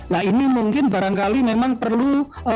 nah ini mungkin barangkali memang perlu